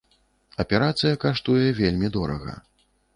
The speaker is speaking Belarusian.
Аперацыя каштуе вельмі дорага.